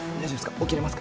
起きれますか？